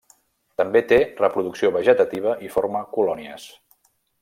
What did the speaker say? També té reproducció vegetativa i forma colònies.